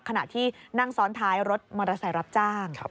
ขณะที่นั่งซ้อนท้ายรถมอเตอร์ไซค์รับจ้าง